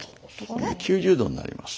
今度９０度になります。